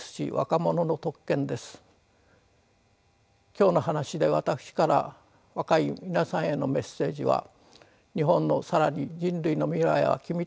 今日の話で私から若い皆さんへのメッセージは日本の更に人類の未来は君たちの手にあること。